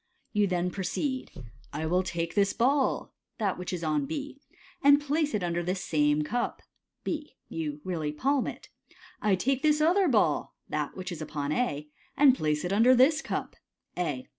Youthen proceed, " I will take this ball " (that which is on B), " and place it under this suine cup " (B). You really palm it. " I take this other ball " (that which is upon A), "and place it under this cup" (A).